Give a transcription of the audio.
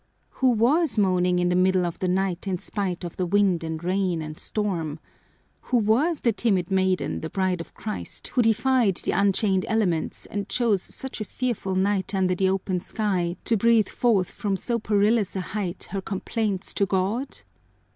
Who was moaning in the middle of the night in spite of the wind and rain and storm? Who was the timid maiden, the bride of Christ, who defied the unchained elements and chose such a fearful night under the open sky to breathe forth from so perilous a height her complaints to God?